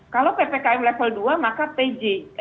kalau ppkm level dua maka pj